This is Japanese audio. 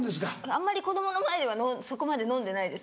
あんまり子供の前ではそこまで飲んでないです。